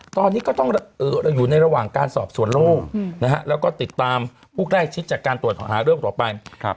ตอนนี้ก็ต้องเราอยู่ในระหว่างการสอบสวนโลกนะฮะแล้วก็ติดตามผู้ใกล้ชิดจากการตรวจหาเรื่องต่อไป